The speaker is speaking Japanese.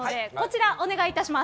お願いいたします。